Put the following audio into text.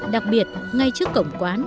đặc biệt ngay trước cổng quán